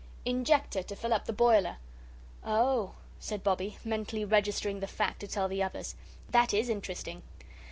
"Injector to fill up the boiler." "Oh," said Bobbie, mentally registering the fact to tell the others; "that IS interesting."